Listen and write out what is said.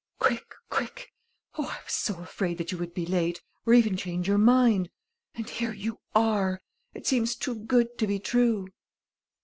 "Quick, quick! Oh, I was so afraid that you would be late ... or even change your mind! And here you are! It seems too good to be true!"